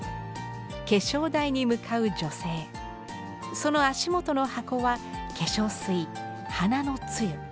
その足元の箱は化粧水花の露。